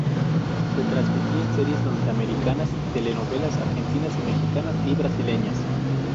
Se transmitían series norteamericanas, telenovelas argentinas, mexicanas y brasileñas.